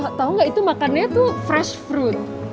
oh tau nggak itu makannya tuh fresh fruit